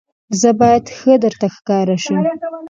زه باید ښه درته ښکاره شم.